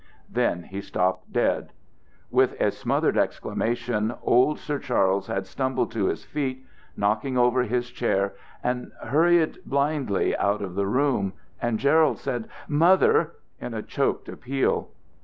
Then he stopped dead. With a smothered exclamation, old Sir Charles had stumbled to his feet, knocking over his chair, and hurried blindly out of the room; and Gerald said, "Mother!" in a choked appeal.